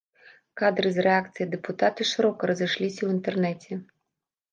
Кадры з рэакцыяй дэпутата шырока разышліся ў інтэрнэце.